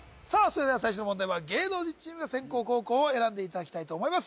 それでは最初の問題は芸能人チームが先攻・後攻を選んでいただきたいと思います